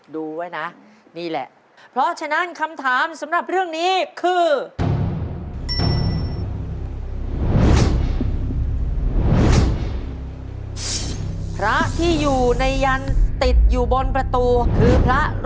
ดูไว้นะนี่แหละเพราะฉะนั้นคำถามสำหรับเรื่องนี้คือพระ